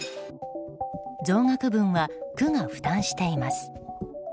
増額分は区が負担しています。